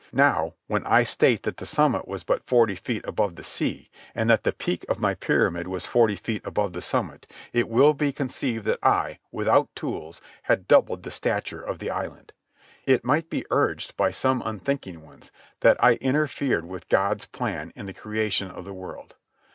Now, when I state that the summit was but forty feet above the sea, and that the peak of my pyramid was forty feet above the summit, it will be conceived that I, without tools, had doubled the stature of the island. It might be urged by some unthinking ones that I interfered with God's plan in the creation of the world.